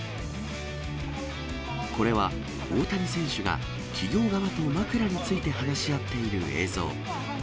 これは、大谷選手が企業側と枕について話し合っている映像。